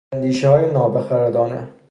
اندیشههای نابخردانه